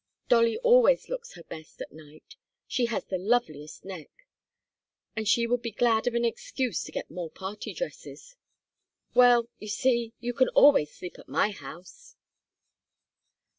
Dolly always looks her best at night she has the loveliest neck! and she would be glad of an excuse to get more party dresses. Well you see! You can always sleep at my house."